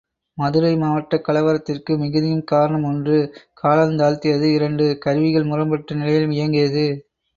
மதுரை மாவட்டக் கலவரத்திற்கு மிகுதியும் காரணம் ஒன்று காலந்தாழ்த்தியது இரண்டு கருவிகள் முரண்பட்ட நிலையில் இயங்கியது.